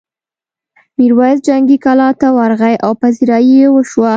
میرويس جنګي کلا ته ورغی او پذيرايي یې وشوه.